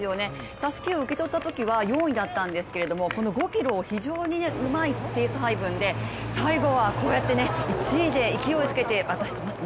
たすきを受け取ったときは４位だったんですけどこの５ｋｍを非常にうまいペース配分で最後はこうやって１位で勢いをつけて渡していますね。